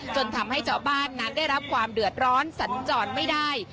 จนทำให้เจ้าบ้านนั้นได้รับความเดือดร้อนสัญจรไม่ได้